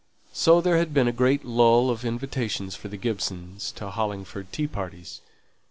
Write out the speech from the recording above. So there had been a great lull of invitations for the Gibsons to Hollingford tea parties.